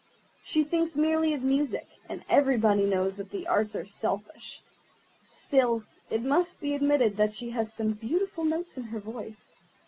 She thinks merely of music, and everybody knows that the arts are selfish. Still, it must be admitted that she has some beautiful notes in her voice.